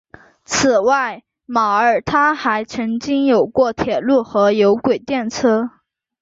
此外马尔他还曾经有过铁路和有轨电车。